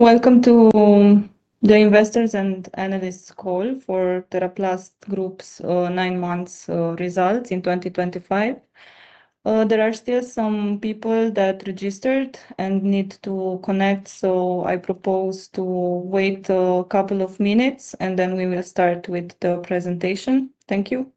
Welcome to the investors and analysts call for TeraPlast Group's 9-month results in 2025. There are still some people that registered and need to connect, so I propose to wait a couple of minutes, and then we will start with the presentation. Thank you.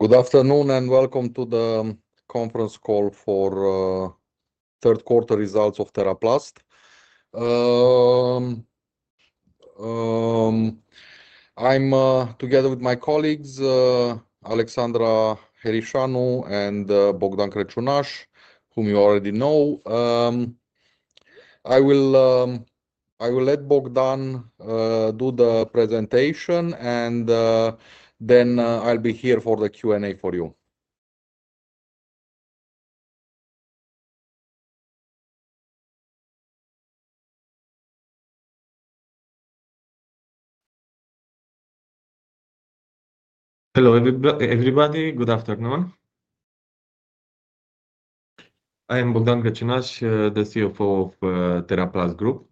Good afternoon and welcome to the conference call for third-quarter results of TeraPlast. I'm together with my colleagues Aleksandra Herishanu and Bogdan Crăciunaș, whom you already know. I will let Bogdan do the presentation, and I'll be here for the Q&A for you. Hello everybody, good afternoon. I am Bogdan Crăciunaș, the CFO of TeraPlast Group.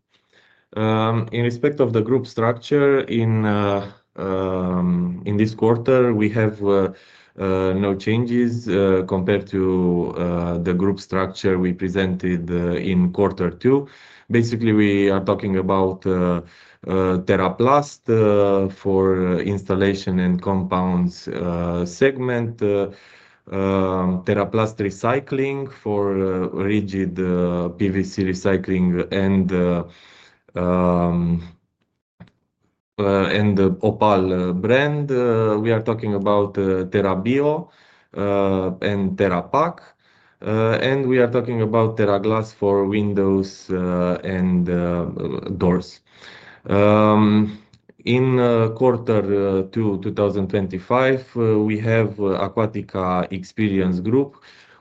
In respect of the group structure in this quarter, we have no changes compared to the group structure we presented in quarter two. Basically, we are talking about TeraPlast for installation and compounds segment, TeraPlast Recycling for rigid PVC recycling and Opal brand. We are talking about Terabio and Terapac, and we are talking about Teraglass for windows and doors. In quarter two 2025, we have Aquatica Experience Group,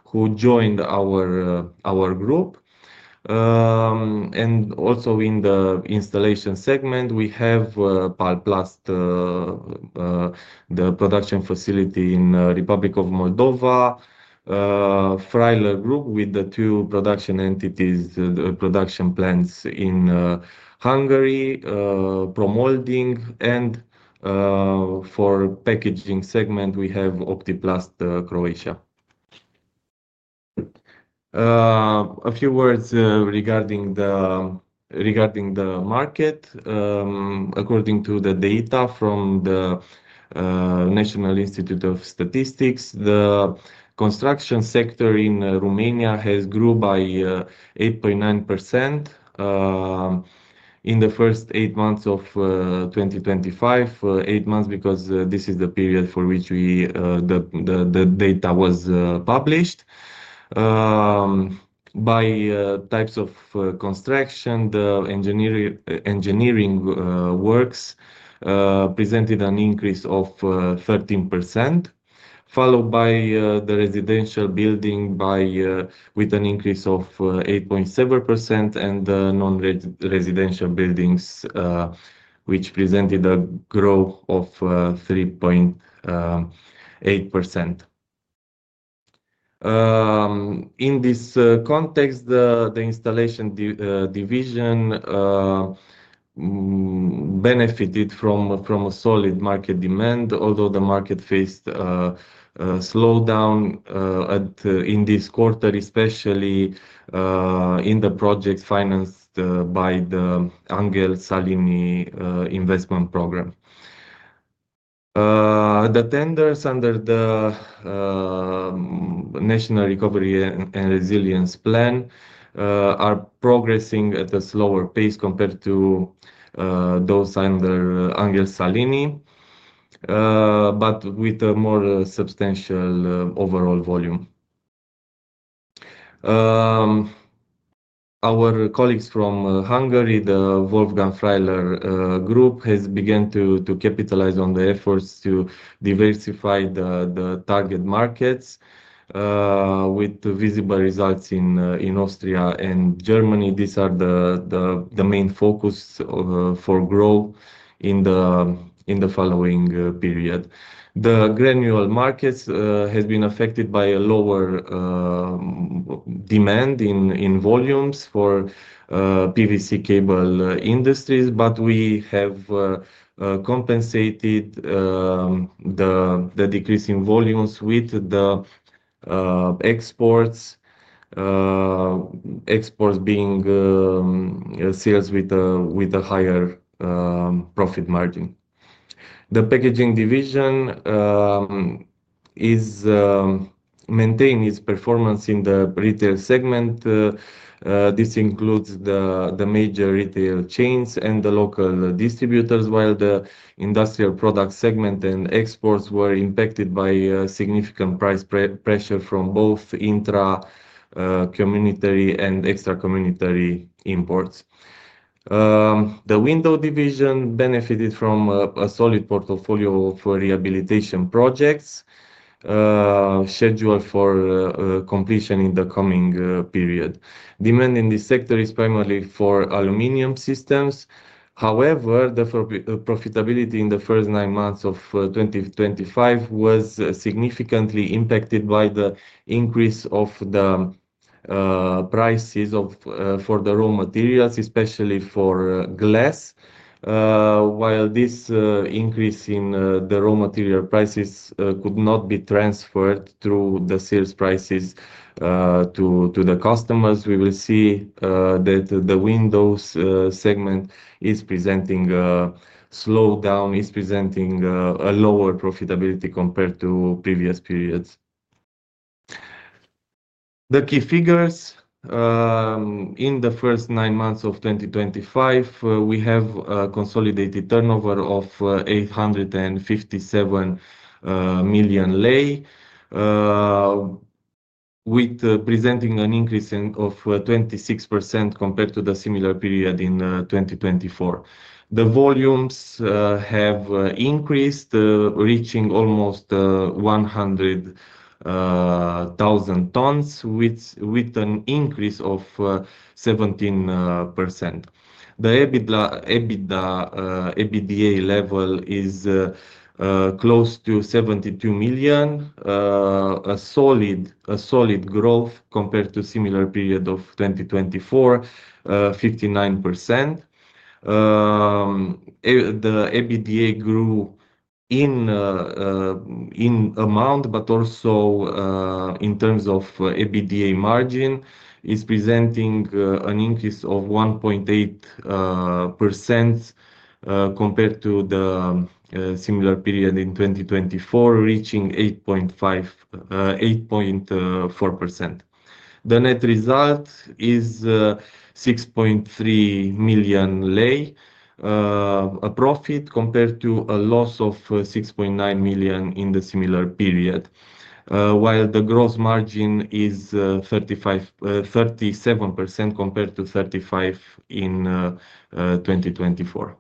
who joined our group. Also, in the installation segment, we have Palplast, the production facility in the Republic of Moldova, Freiler Group with the two production entities, production plants in Hungary, Promolding, and for packaging segment, we have Optiplast Croatia. A few words regarding the market. According to the data from the National Institute of Statistics, the construction sector in Romania has grown by 8.9% in the first eight months of 2025. Eight months because this is the period for which the data was published. By types of construction, the engineering works presented an increase of 13%, followed by the residential buildings with an increase of 8.7%, and the non-residential buildings, which presented a growth of 3.8%. In this context, the installation division benefited from a solid market demand, although the market faced slowdown in this quarter, especially in the projects financed by the Angel Salini investment program. The tenders under the National Recovery and Resilience Plan are progressing at a slower pace compared to those under Angel Salini, with a more substantial overall volume. Our colleagues from Hungary, the Wolfgang Freiler Group, have begun to capitalize on the efforts to diversify the target markets with visible results in Austria and Germany. These are the main focus for growth in the following period. The granule market has been affected by a lower demand in volumes for PVC cable industries, but we have compensated the decrease in volumes with the exports being sales with a higher profit margin. The packaging division maintains its performance in the retail segment. This includes the major retail chains and the local distributors, while the industrial product segment and exports were impacted by significant price pressure from both intra-communicatory and extra-communicatory imports. The window division benefited from a solid portfolio of rehabilitation projects. Scheduled for completion in the coming period. Demand in this sector is primarily for aluminum systems. However, the profitability in the first nine months of 2025 was significantly impacted by the increase of the prices for the raw materials, especially for glass. While this increase in the raw material prices could not be transferred through the sales prices to the customers, we will see that the windows segment is presenting a slowdown, is presenting a lower profitability compared to previous periods. The key figures: in the first nine months of 2025, we have a consolidated turnover of RON 857 million, presenting an increase of 26% compared to the similar period in 2024. The volumes have increased, reaching almost 100,000 tons, with an increase of 17%. The EBITDA level is close to RON 72 million, a solid growth compared to the similar period of 2024, 59%. The EBITDA grew in amount, but also in terms of EBITDA margin, is presenting an increase of 1.8% compared to the similar period in 2024, reaching 8.4%. The net result is RON 6.3 million, a profit compared to a loss of RON 6.9 million in the similar period. While the gross margin is 37% compared to 35% in 2024.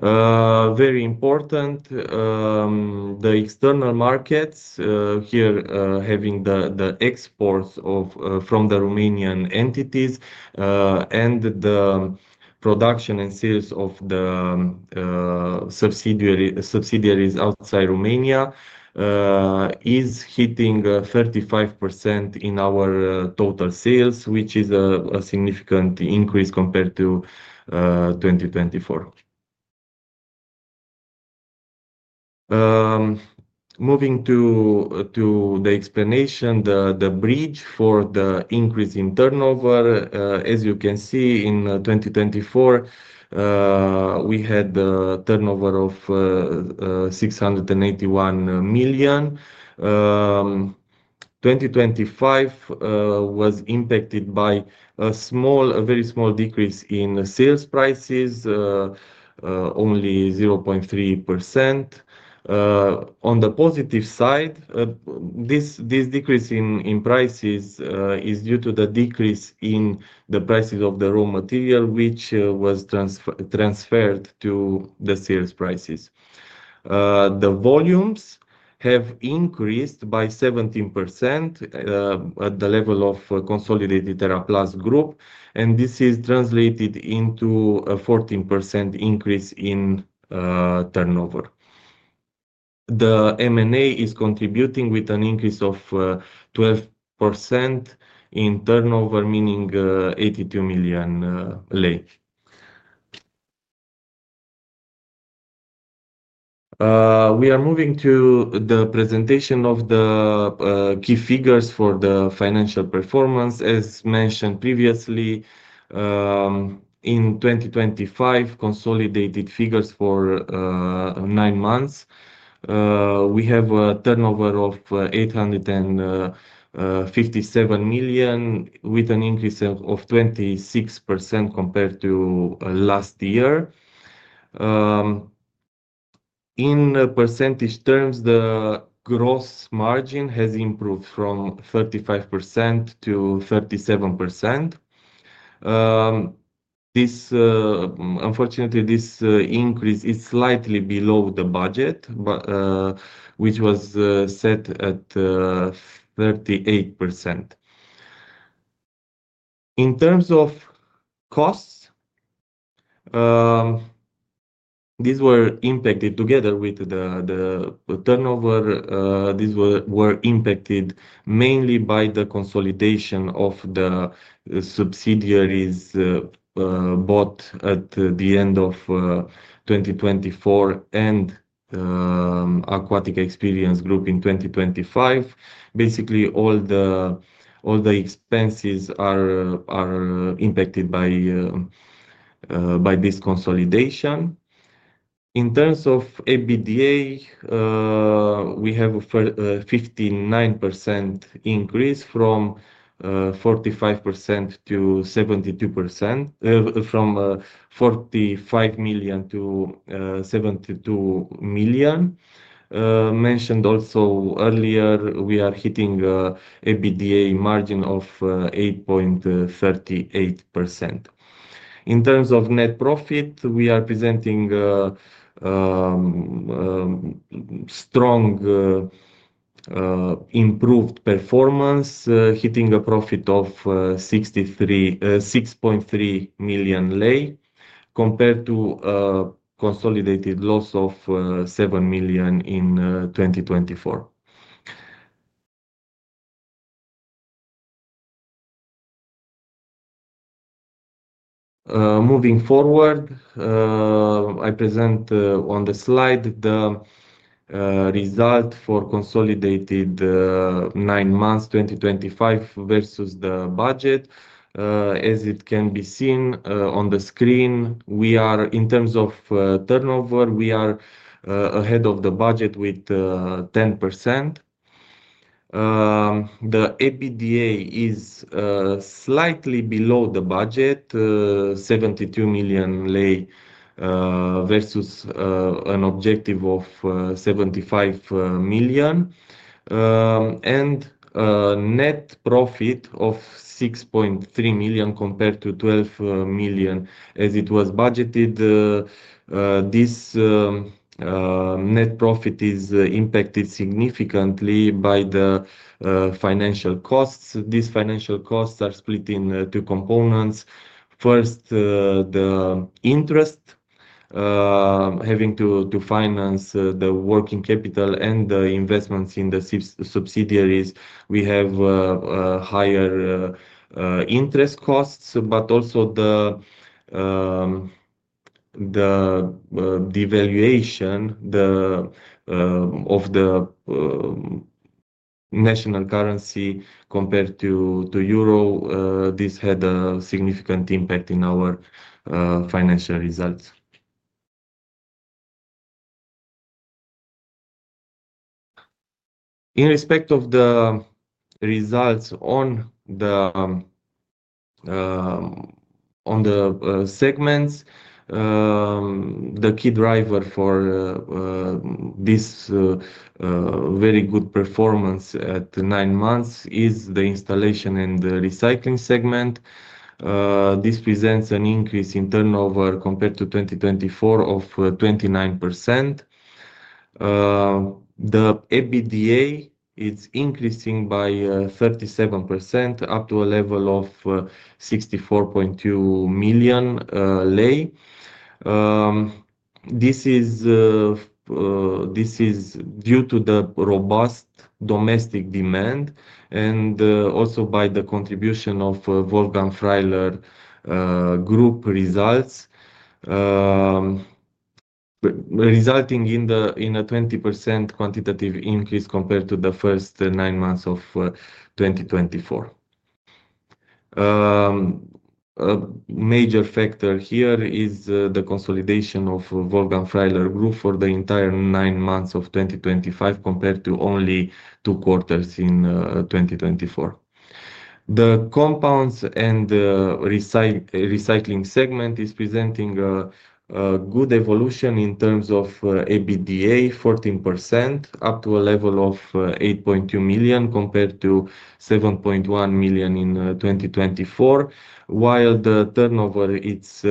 Very important, the external markets here having the exports from the Romanian entities and the production and sales of the subsidiaries outside Romania is hitting 35% in our total sales, which is a significant increase compared to 2024. Moving to the explanation, the bridge for the increase in turnover, as you can see in 2024, we had a turnover of RON 681 million. 2025 was impacted by a very small decrease in sales prices, only 0.3%. On the positive side, this decrease in prices is due to the decrease in the prices of the raw material, which was transferred to the sales prices. The volumes have increased by 17% at the level of consolidated TeraPlast Group, and this is translated into a 14% increase in turnover. The M&A is contributing with an increase of 12% in turnover, meaning RON 82 million. We are moving to the presentation of the key figures for the financial performance. As mentioned previously, in 2025, consolidated figures for nine months, we have a turnover of RON 857 million, with an increase of 26% compared to last year. In percentage terms, the gross margin has improved from 35% to 37%. Unfortunately, this increase is slightly below the budget, which was set at 38%. In terms of costs, these were impacted together with the turnover. These were impacted mainly by the consolidation of the subsidiaries bought at the end of 2024 and Aquatica Experience Group in 2025. Basically, all the expenses are impacted by this consolidation. In terms of EBITDA, we have a 59% increase from RON 45 million to RON 72 million. Mentioned also earlier, we are hitting an EBITDA margin of 8.38%. In terms of net profit, we are presenting strong improved performance, hitting a profit of RON 6.3 million compared to a consolidated loss of RON 7 million in 2024. Moving forward, I present on the slide the result for consolidated nine months 2025 versus the budget. As it can be seen on the screen, in terms of turnover, we are ahead of the budget with 10%. The EBITDA is slightly below the budget, RON 72 million versus an objective of RON 75 million, and net profit of RON 6.3 million compared to RON 12 million as it was budgeted. This net profit is impacted significantly by the financial costs. These financial costs are split into two components. First, the interest. Having to finance the working capital and the investments in the subsidiaries, we have higher interest costs, but also the devaluation of the national currency compared to euro. This had a significant impact in our financial results. In respect of the results on the segments, the key driver for this very good performance at nine months is the installation and recycling segment. This presents an increase in turnover compared to 2024 of 29%. The EBITDA is increasing by 37%, up to a level of RON 64.2 million. This is due to the robust domestic demand and also by the contribution of Wolfgang Freiler Group results, resulting in a 20% quantitative increase compared to the first nine months of 2024. A major factor here is the consolidation of Wolfgang Freiler Group for the entire nine months of 2025 compared to only two quarters in 2024. The compounds and recycling segment is presenting a good evolution in terms of EBITDA, 14%, up to a level of RON 8.2 million compared to RON 7.1 million in 2024, while the turnover is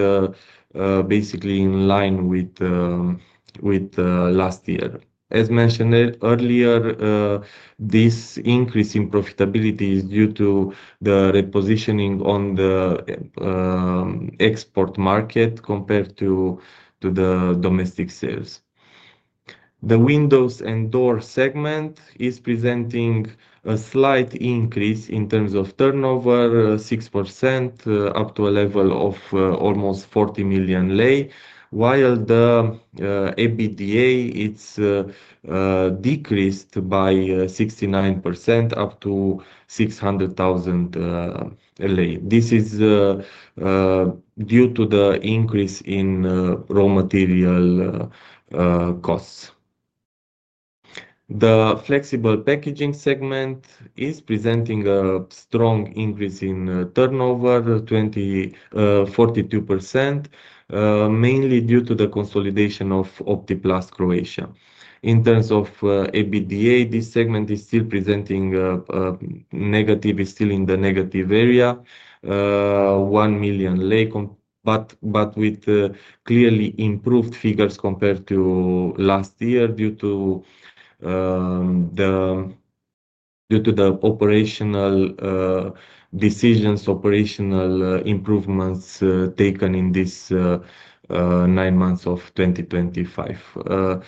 basically in line with last year. As mentioned earlier, this increase in profitability is due to the repositioning on the export market compared to the domestic sales. The windows and door segment is presenting a slight increase in terms of turnover, 6%, up to a level of almost RON 40 million, while the EBITDA is decreased by 69%, up to RON 600,000. This is due to the increase in raw material costs. The flexible packaging segment is presenting a strong increase in turnover, 42%, mainly due to the consolidation of Optiplast Croatia. In terms of EBITDA, this segment is still presenting negative, is still in the negative area, RON 1 million, but with clearly improved figures compared to last year due to the operational decisions, operational improvements taken in this nine months of 2025.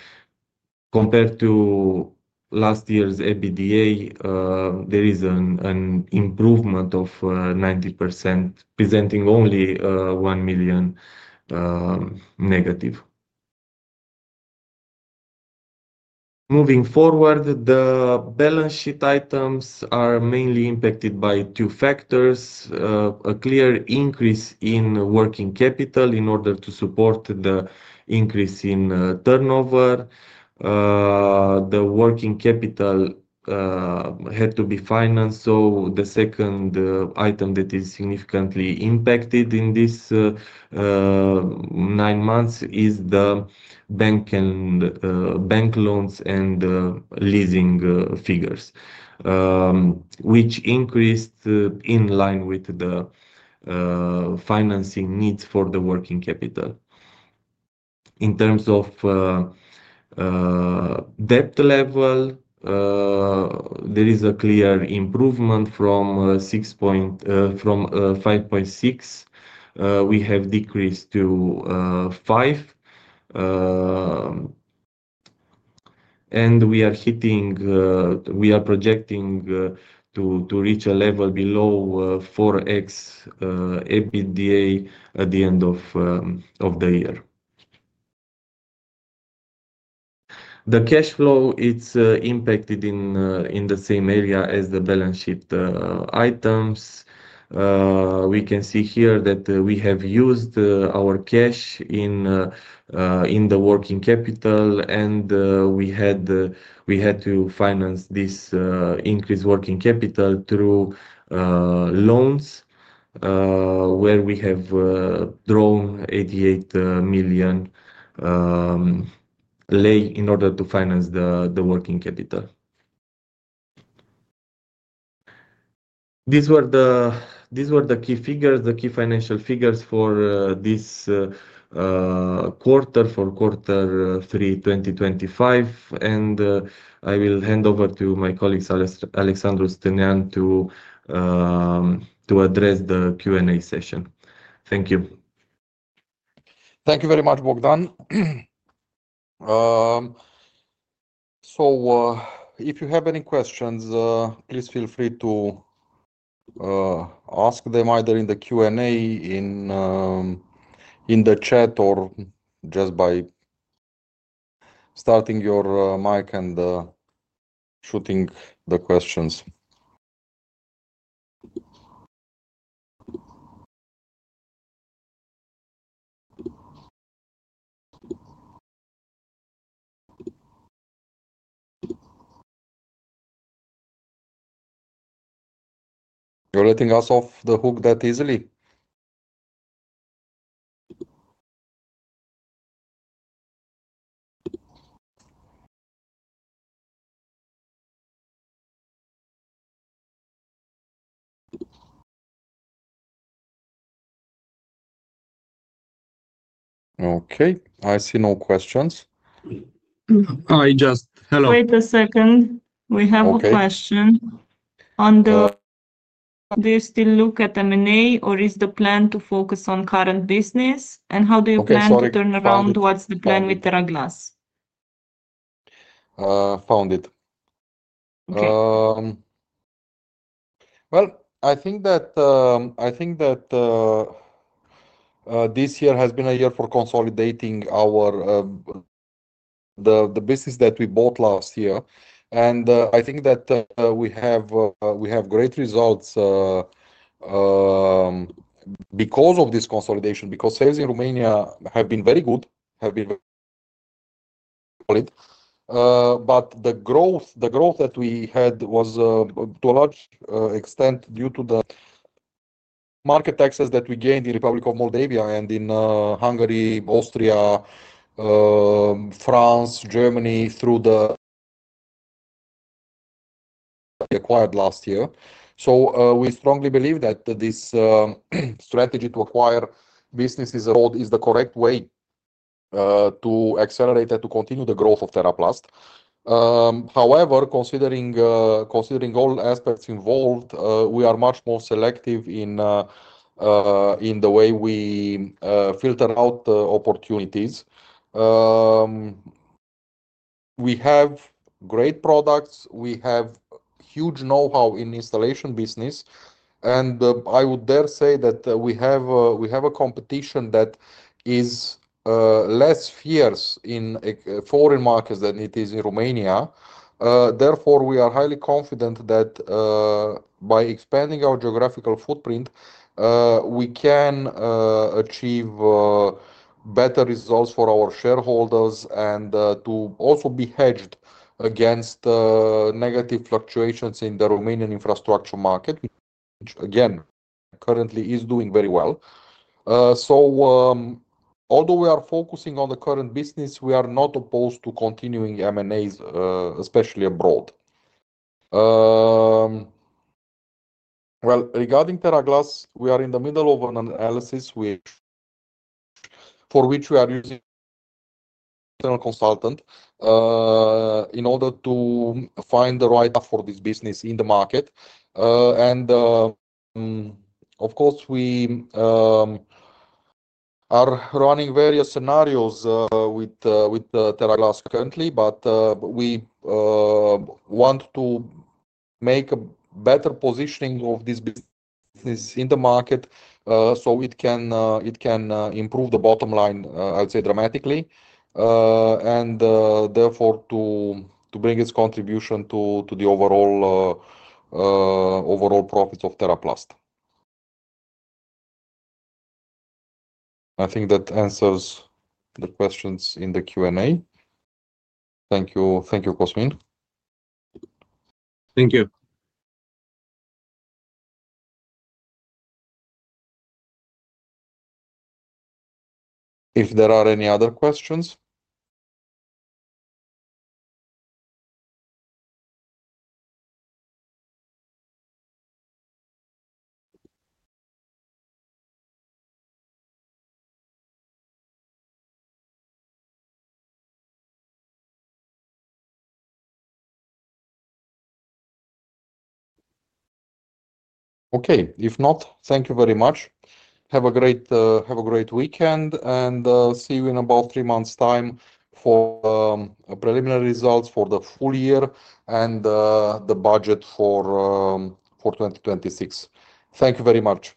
Compared to last year's EBITDA, there is an improvement of 90%, presenting only RON 1 million negative. Moving forward, the balance sheet items are mainly impacted by two factors: a clear increase in working capital in order to support the increase in turnover. The working capital had to be financed, so the second item that is significantly impacted in this nine months is the bank loans and leasing figures, which increased in line with the financing needs for the working capital. In terms of debt level, there is a clear improvement from RON 5.6 million. We have decreased to RON 5 million, and we are projecting to reach a level below 4x EBITDA at the end of the year. The cash flow is impacted in the same area as the balance sheet items. We can see here that we have used our cash in the working capital, and we had to finance this increased working capital through loans, where we have drawn RON 88 million in order to finance the working capital. These were the key figures, the key financial figures for this quarter, for quarter 3, 2025. I will hand over to my colleague, Alexandru Stânean, to address the Q&A session. Thank you. Thank you very much, Bogdan. If you have any questions, please feel free to ask them either in the Q&A, in the chat, or just by starting your mic and shooting the questions. You're letting us off the hook that easily. Okay, I see no questions. Hello. Wait a second. We have a question. Do you still look at M&A, or is the plan to focus on current business? How do you plan to turn around? What's the plan with Teraglass? Found it. This year has been a year for consolidating the business that we bought last year. I think that we have great results because of this consolidation, because sales in Romania have been very good. The growth that we had was to a large extent due to the market access that we gained in the Republic of Moldova and in Hungary, Austria, France, Germany, through the acquired last year. We strongly believe that this strategy to acquire businesses is the correct way to accelerate and to continue the growth of TeraPlast. However, considering all aspects involved, we are much more selective in the way we filter out opportunities. We have great products. We have huge know-how in the installation business. I would dare say that we have a competition that is less fierce in foreign markets than it is in Romania. Therefore, we are highly confident that by expanding our geographical footprint, we can achieve better results for our shareholders and also be hedged against negative fluctuations in the Romanian infrastructure market, which, again, currently is doing very well. Although we are focusing on the current business, we are not opposed to continuing M&As, especially abroad. Regarding Teraglass, we are in the middle of an analysis for which we are using a consultant in order to find the right app for this business in the market. Of course, we are running various scenarios with Teraglass currently, but we want to make a better positioning of this business in the market so it can improve the bottom line, I would say, dramatically, and therefore to bring its contribution to the overall profits of TeraPlast. I think that answers the questions in the Q&A. Thank you all fo the question. Thank you. If there are any other questions. Okay. If not, thank you very much. Have a great weekend and see you in about three months' time for preliminary results for the full year and the budget for 2026. Thank you very much.